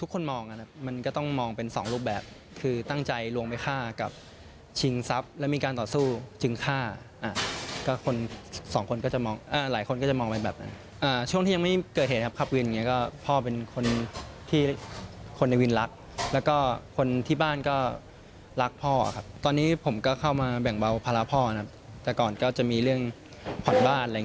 ทุกคนมองนะครับมันก็ต้องมองเป็นสองรูปแบบคือตั้งใจลวงไปฆ่ากับชิงทรัพย์แล้วมีการต่อสู้จึงฆ่าก็คนสองคนก็จะมองหลายคนก็จะมองไปแบบนั้นช่วงที่ยังไม่เกิดเหตุครับขับวินอย่างเงี้ก็พ่อเป็นคนที่คนในวินรักแล้วก็คนที่บ้านก็รักพ่อครับตอนนี้ผมก็เข้ามาแบ่งเบาภาระพ่อนะครับแต่ก่อนก็จะมีเรื่องผ่อนบ้านอะไรอย่างนี้